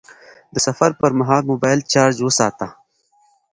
د سفر پر مهال موبایل چارج وساته..